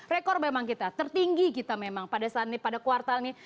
rekor memang kita tertinggi kita memang pada saat ini pada kuartal nih